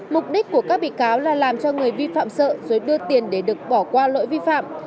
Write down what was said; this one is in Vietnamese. mục đích của các bị cáo là làm cho người vi phạm sợ rồi đưa tiền để được bỏ qua lỗi vi phạm